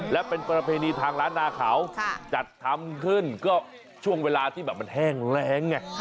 และเป็นประเพณีทางร้านนาเขาจัดทำขึ้นก็ช่วงเวลาที่แบบมันแห้งแรงไง